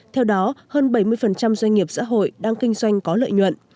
theo đó hơn bảy mươi doanh nghiệp xã hội đang kinh doanh có lợi nhuận